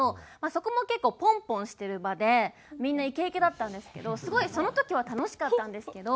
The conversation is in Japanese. そこも結構ポンポンしてる場でみんなイケイケだったんですけどすごいその時は楽しかったんですけど。